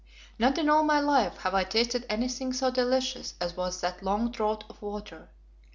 Not in all my life have I tasted anything so delicious as was that long draught of water.